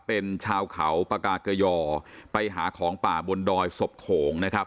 เป็นชาวเขาปากาเกยอไปหาของป่าบนดอยศพโขงนะครับ